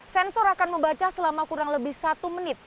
sensor akan membaca selama kurang lebih satu menit